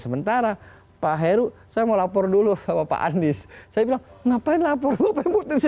sementara pak heru saya mau lapor dulu sama pak anies saya bilang ngapain lapor bapak yang putus